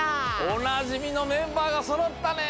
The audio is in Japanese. おなじみのメンバーがそろったね！